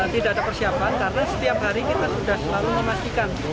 tidak ada persiapan karena setiap hari kita sudah selalu memastikan